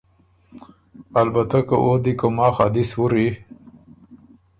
البته که او دی کُوماخ ا دِس وُری